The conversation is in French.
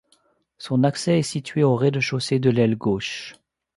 Son accès est situé au rez-de-chaussée de l'aile gauche.